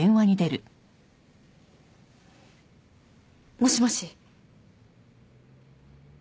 もしもし。